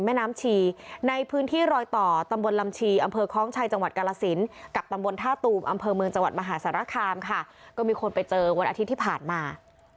เมืองจังหวัดมหาสารคามค่ะก็มีคนไปเจอวันอาทิตย์ที่ผ่านมา